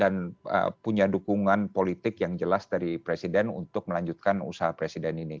dan punya dukungan politik yang jelas dari presiden untuk melanjutkan usaha presiden ini